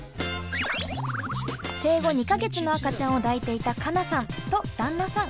生後２か月の赤ちゃんを抱いていた加菜さんと旦那さん。